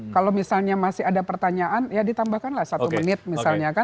kalau misalnya masih ada pertanyaan ya ditambahkanlah satu menit misalnya kan